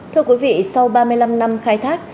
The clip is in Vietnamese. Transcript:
thưa quý vị sau ba mươi năm năm khai thác